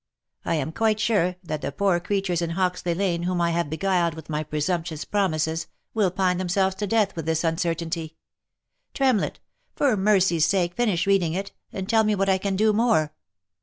I am quite sure, that the poor creatures in Hoxley lane, whom I have beguiled with my presumptious promises, will pine themselves to death with this uncertainty. Tremlett! for mercy's sake finish reading it, and tell me what I can do more